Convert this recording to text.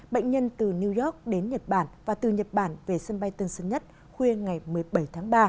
bệnh nhân từ new york đến nhật bản và từ nhật bản về sân bay tân sơn nhất khuya ngày một mươi bảy tháng ba